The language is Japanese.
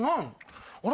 あれ？